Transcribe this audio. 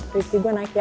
rifki gue naik ya